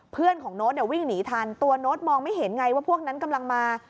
เพื่อนของโน้ตเนี่ยวิ่งหนีทันตัวโน้ตมองไม่เห็นไงว่าพวกนั้นกำลังมา